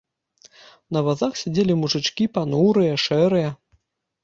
На вазах сядзелі мужычкі, панурыя, шэрыя.